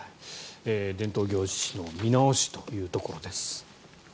伝統行事の見直しというところです。